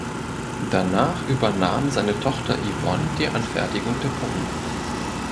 Danach übernahm seine Tochter Ivonne die Anfertigung der Puppen.